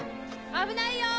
危ないよ！